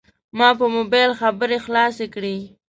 ما په موبایل خبرې خلاصې کړې.